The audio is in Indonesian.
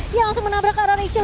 langsung menabrak ke arah rachel